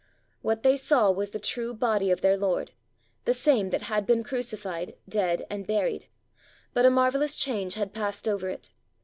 " What they saw was the true body of their Lord, the same that had been crucified, dead, and buried, but a marvellous change had passed over it.